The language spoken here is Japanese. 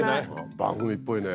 番組っぽいね。